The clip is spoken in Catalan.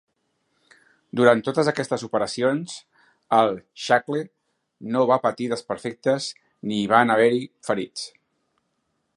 Durant totes aquestes operacions, el "Shackle" no va patir desperfectes ni hi van haver-hi ferits.